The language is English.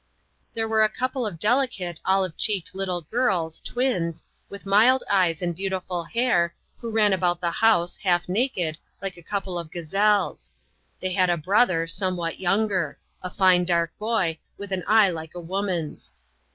There were a couple of delicate, olive cheeked little girls — twins — with mild eyes and beautiful hair, who ran about the house, half naked, like a couple of gazelles. They had a brother, somewhat younger — a fine dark boy, with an eye like a woman's.